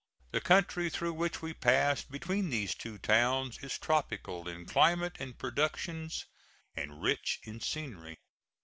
The country through which we passed, between these two towns, is tropical in climate and productions and rich in scenery.